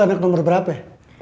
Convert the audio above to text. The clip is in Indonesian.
anak nomor berapa ya